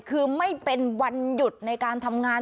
คือไม่เป็นวันหยุดในการทำงาน